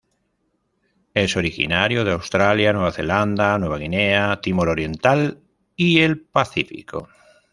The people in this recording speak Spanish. Es originario de Australia, Nueva Zelanda, Nueva Guinea, Timor Oriental y el Pacífico.